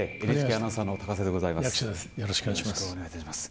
ＮＨＫアナウンサーの高瀬でございます。